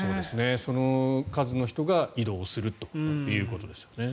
その数の人が移動するということですよね。